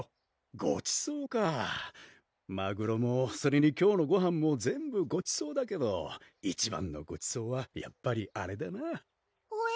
ごちそうかぁマグロもそれに今日のごはんも全部ごちそうだけど一番のごちそうはやっぱりあれだなほえ？